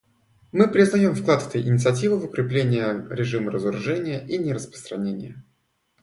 Мы признаем вклад этой инициативы в укрепление режима разоружения и нераспространения.